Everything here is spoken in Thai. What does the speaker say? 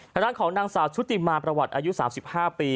ทางด้านของนางสาวชุติมาประวัติอายุ๓๕ปี